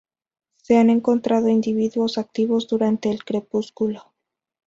Se han encontrado individuos activos durante el crepúsculo.